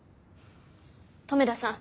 留田さん。